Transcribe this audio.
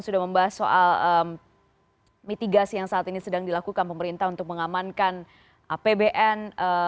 sudah membahas soal mitigasi yang saat ini sedang dilakukan pemerintah untuk mengamankan apbn